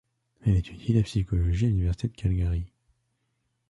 Elle étudie la psychologie à l'Université de Calgary.